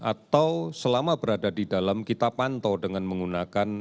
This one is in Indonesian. atau selama berada di dalam kita pantau dengan menggunakan